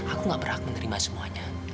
aku gak berhak menerima semuanya